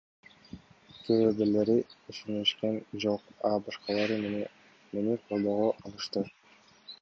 Кээ бирлери ишенишкен жок, а башкалары мени колдоого алышты.